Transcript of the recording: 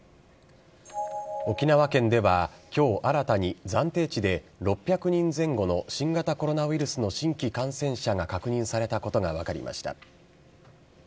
沖縄県では、きょう新たに暫定値で６００人前後の新型コロナウイルスの新規感染者が確認されたことが分かりました。